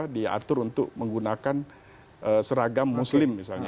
diatur untuk menggunakan seragam muslim misalnya